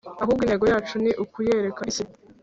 ahubwo intego yacu ni ukuyereka isi,